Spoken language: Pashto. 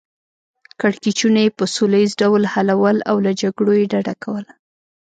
کړکیچونه یې په سوله ییز ډول حلول او له جګړو یې ډډه کوله.